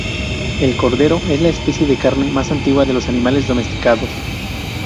El cordero es la especie de carne más antigua de los animales domesticados.